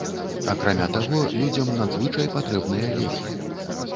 Акрамя таго людзям надзвычай патрэбныя лекі.